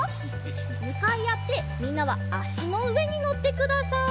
むかいあってみんなはあしのうえにのってください。